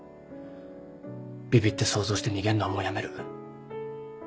ビビって想像して逃げんのはもうやめる。